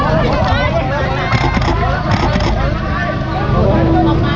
สวัสดีครับทุกคน